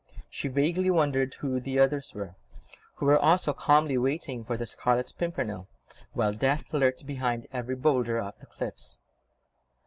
She vaguely wondered who the others were, who were also calmly waiting for the Scarlet Pimpernel, while death lurked behind every boulder of the cliffs.